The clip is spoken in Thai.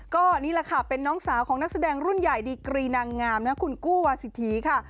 ก็นี่แหละค่ะเป็นน้องสาวของนักแสดงรุ่นใหญ่ดีกรีนางงามและคุณกู้วาสิธีค่ะ